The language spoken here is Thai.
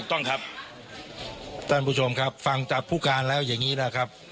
ต้องครับท่านผู้ชมครับฟังจากผู้การแล้วอย่างนี้นะครับ